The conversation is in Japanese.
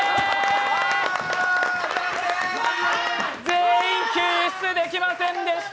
全員救出できませんでした。